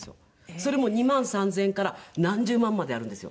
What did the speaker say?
それも２万３０００円から何十万まであるんですよ。